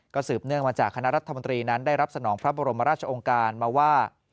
สืบเนื่องมาจากคณะรัฐมนตรีนั้นได้รับสนองพระบรมราชองค์การมาว่า